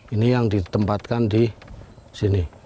ini yang ditempatkan di sini